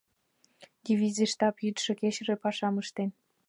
Дивизий штаб йӱдшӧ-кечыже пашам ыштен.